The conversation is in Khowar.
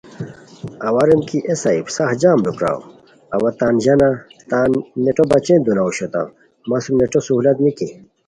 اوا ریم کی اے صاحب سخت جم لُو پراؤ اوا تان ژانہ تان نیٹو بچین دوناؤ اوشوتام، مہ سُم نیٹو سہولت نِکی